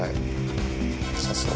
さすが。